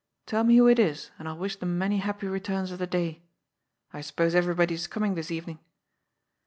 Tell me who it is, and I'll wish them many happy returns of the day. I suppose everybody is coming this evening?"